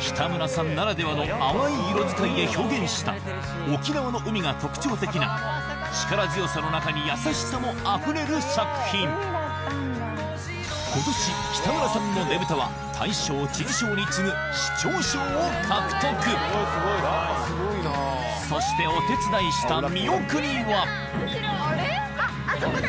北村さんならではの淡い色使いで表現した沖縄の海が特徴的な力強さの中に優しさもあふれる作品今年北村さんのねぶたは大賞知事賞に次ぐそしてお手伝いした見送りはあそこだ